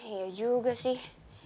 iya juga sih